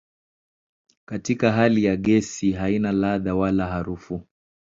Katika hali ya gesi haina ladha wala harufu.